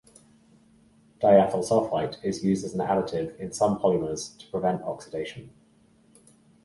Diethyl sulfite is used as an additive in some polymers to prevent oxidation.